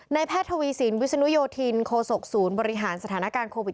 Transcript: แพทย์ทวีสินวิศนุโยธินโคศกศูนย์บริหารสถานการณ์โควิด